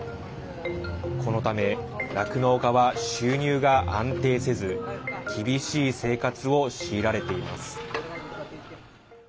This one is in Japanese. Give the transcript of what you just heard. このため、酪農家は収入が安定せず厳しい生活を強いられています。